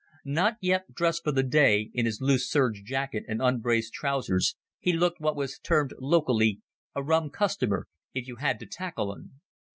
Not yet dressed for the day, in his loose serge jacket and unbraced trousers, he looked what was termed locally "a rum customer if you had to tackle un."